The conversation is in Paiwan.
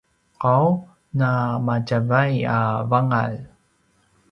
qau na madjavay a vangalj